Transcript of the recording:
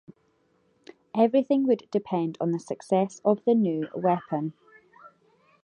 Everything would depend on the success of the new weapon.